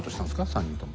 ３人とも。